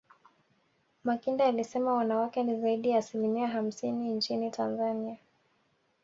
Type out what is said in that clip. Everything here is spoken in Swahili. makinda alisema wanawake ni zaidi ya asilimia hamsini nchini tanzania